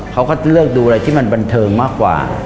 เขาก็เลือกดูอะไรที่มันบันเทิงมากกว่า